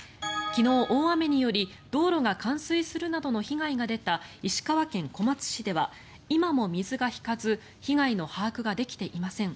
昨日、大雨により道路が冠水するなどの被害が出た石川県小松市では今も水が引かず被害の把握ができていません。